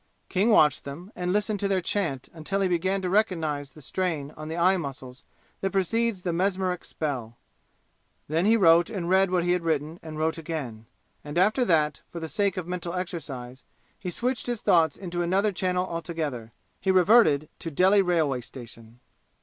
King watched them and listened to their chant until he began to recognize the strain on the eye muscles that precedes the mesmeric spell. Then he wrote and read what he had written and wrote again. And after that, for the sake of mental exercise, he switched his thoughts into another channel altogether. He reverted to Delhi railway station.